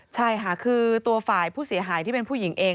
ใช่ค่ะคือตัวฝ่ายผู้เสียหายที่เป็นผู้หญิงเอง